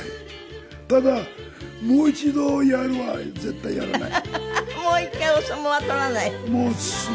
ただもう一度やるは絶対やらない。